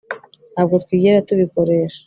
Ntabwo twigera tubikoresha